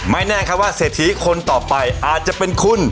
แน่ครับว่าเศรษฐีคนต่อไปอาจจะเป็นคุณ